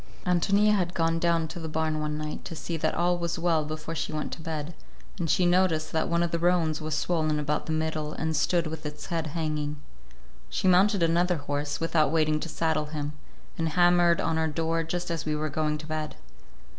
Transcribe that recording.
Ántonia had gone down to the barn one night to see that all was well before she went to bed, and she noticed that one of the roans was swollen about the middle and stood with its head hanging. She mounted another horse, without waiting to saddle him, and hammered on our door just as we were going to bed.